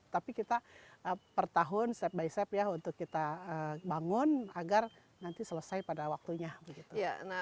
tapi kita per tahun step by step ya untuk kita bangun agar nanti selesai pada waktunya begitu